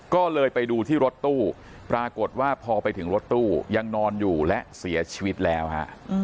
ก็เลยไปดูที่รถตู้ปรากฏว่าพอไปถึงรถตู้ยังนอนอยู่และเสียชีวิตแล้วฮะ